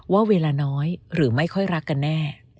ว่าเวลาน้อยหรือไม่ค่อยรักกันแน่